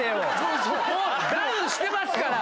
もうダウンしてますから。